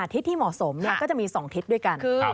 ทิศที่เหมาะสมก็จะมี๒ทิศด้วยกัน